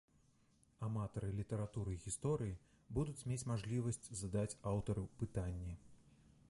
Аматары літаратуры і гісторыі будуць мець мажлівасць задаць аўтару пытанні.